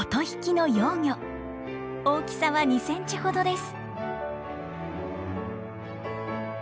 大きさは２センチほどです。